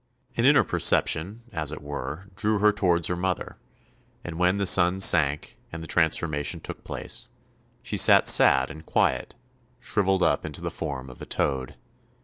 An inner perception, as it were, drew her towards her mother, and when the sun sank and the transformation took place, she sat sad and quiet, shrivelled up into the form of a toad.